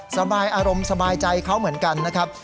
สบายอารมณ์สบายใจเขาเหมือนกันนะครับ